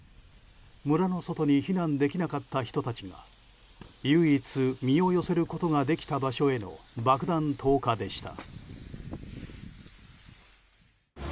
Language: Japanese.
村の外に避難できなかった人たちが唯一身を寄せることができた場所への爆弾投下でした。